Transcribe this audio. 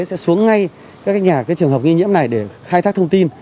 sẽ xuống ngay các nhà trường hợp ghi nhiễm này để khai thác thông tin